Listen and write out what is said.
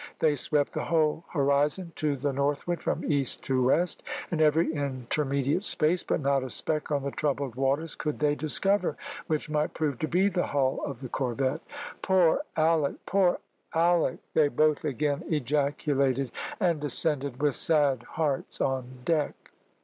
They swept the whole horizon to the northward from east to west, and every intermediate space, but not a speck on the troubled waters could they discover which might prove to be the hull of the corvette. "Poor Alick! poor Alick!" they both again ejaculated, and descended with sad hearts on deck.